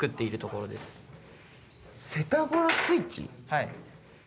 はい。